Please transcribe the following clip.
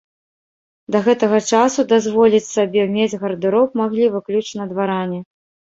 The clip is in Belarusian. Да гэтага часу дазволіць сабе мець гардэроб маглі выключна дваране.